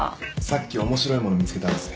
さっき面白いもの見つけたんです。